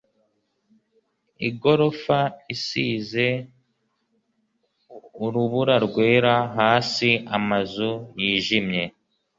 Igorofa isize uruburarwera hasi amazu yijimye